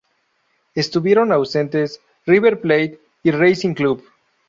Estuvieron ausentes River Plate y Racing Club.